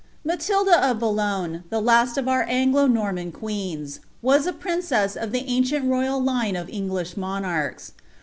Matilda of Boulogne, the last of our Anglo Nonnan (jtieeas, wu I princess of ihe ancient royal line of English monarrhs.